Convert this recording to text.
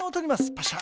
パシャ。